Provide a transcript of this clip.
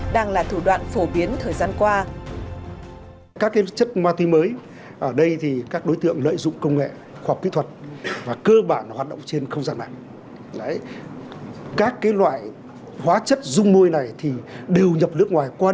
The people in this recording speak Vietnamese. đang là thủ đoạn phổ biến thời gian qua